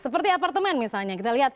seperti apartemen misalnya